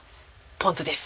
ポン酢です。